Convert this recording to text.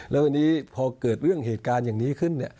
แล้ววันนี้พอเกิดเรื่องเหตุการณ์อย่างนี้ขึ้น